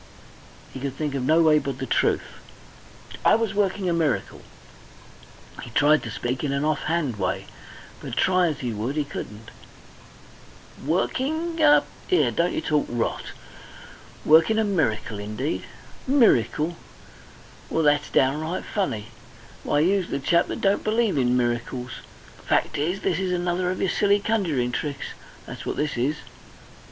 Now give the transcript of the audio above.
He could think of no way but the truth. "I was working a miracle." He tried to speak in an off hand way, but try as he would he couldn't. "Working a ! 'Ere, don't you talk rot. Working a miracle, indeed! Miracle! Well, that's downright funny! Why, you's the chap that don't believe in miracles... Fact is, this is another of your silly conjuring tricks that's what this is.